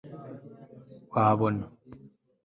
wabona